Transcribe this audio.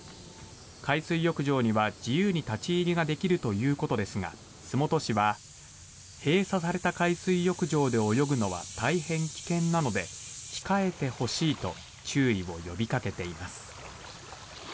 海水浴場には自由に立ち入りができるということですが洲本市は、閉鎖された海水浴場で泳ぐのは大変危険なので控えてほしいと注意を呼びかけています。